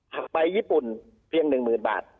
ถัดไปญี่ปุ่นเพียงหนึ่งหมื่นบาท